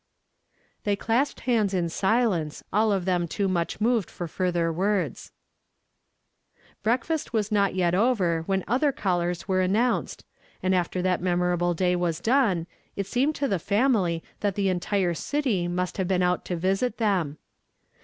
They clasped hands in silence, all of them too niucli moved for further words. IJreakfast was not yet over when other callers were announced, and before that memorable day was done it seemed to the family that the entire "HE PUT A NEW SONG IN MY MOUTH." 63 3 81 city must have been out to visit them.